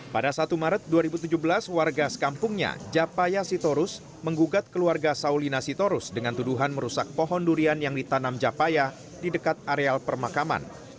pada satu maret dua ribu tujuh belas warga sekampungnya japaya sitorus menggugat keluarga saulina sitorus dengan tuduhan merusak pohon durian yang ditanam japaya di dekat areal permakaman